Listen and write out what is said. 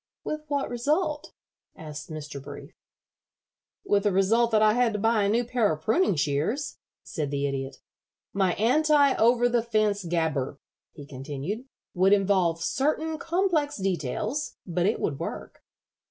"With what result?" asked Mr. Brief. [Illustration: "'AN ELECTRIC NOTICE TO QUIT'"] "With the result that I had to buy a new pair of pruning shears," said the Idiot. "My Anti Over the Fence Gabber," he continued, "would involve certain complex details, but it would work.